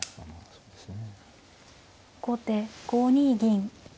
そうですよね。